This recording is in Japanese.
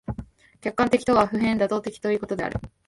客観的とは普遍妥当的ということである。